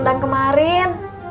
mas rendang kemarin